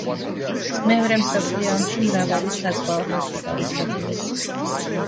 მეორე მსოფლიო ომში მრავალი საზღვაო ჰოსპიტალი ჩაძირეს.